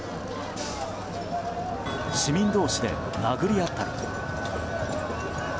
市民同士で殴り合ったり。